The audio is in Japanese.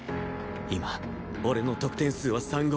今俺の得点数は３ゴール